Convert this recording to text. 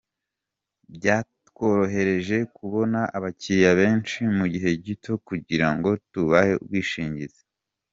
Byatworohereje kubona abakiliya benshi mu gihe gito kugira ngo tubahe ubwishingizi.”